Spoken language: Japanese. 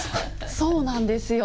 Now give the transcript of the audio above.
そうなんですよ。